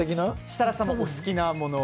設楽さんもお好きなもの。